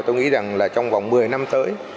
tôi nghĩ rằng là trong vòng một mươi năm tới